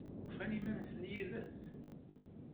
Ufan iman-nsen yid-s?